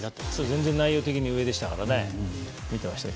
全然、内容的に上でしたからね。